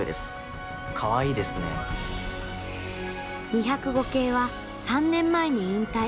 ２０５系は３年前に引退。